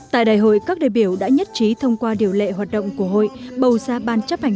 tại đại hội các đại biểu đã nhất trí thông qua điều lệ hoạt động của hội bầu ra ban chấp hành